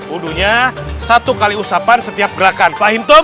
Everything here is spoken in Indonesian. udunya satu kali usapan setiap gerakan fahim tum